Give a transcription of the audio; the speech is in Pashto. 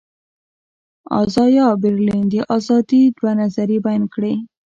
ازایا برلین د آزادي دوه نظریې بیان کړې.